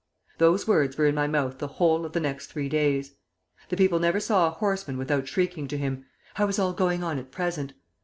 Those words were in my mouth the whole of the next three days. The people never saw a horseman without shrieking to him, 'How is all going on at present?'